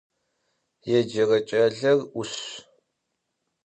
Yêcere ç'aler 'uşş.